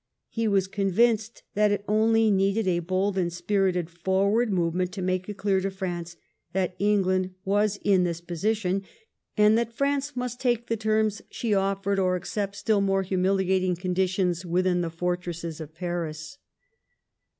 He was convinced that it only needed a bold and spirited forward movement to make it clear to France that England was in this position, and that France must take the terms she offered or accept still more humiliating conditions within the fortresses of Paris.